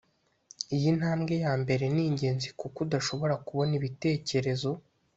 Iyi ntambwe ya mbere ni ingenzi kuko udashobora kubona ibitekerezo